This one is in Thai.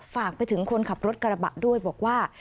ฝากไปถึงคนขับรถกระบะด้วยบอกว่า